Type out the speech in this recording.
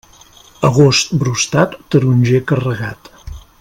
Agost brostat, taronger carregat.